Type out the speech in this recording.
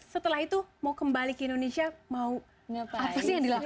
setelah itu mau kembali ke indonesia mau apa sih yang dilakukan